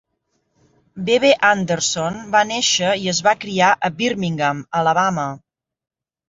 "Bebe" Anderson va néixer i es va criar a Birmingham, Alabama.